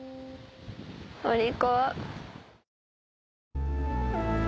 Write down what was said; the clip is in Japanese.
お利口。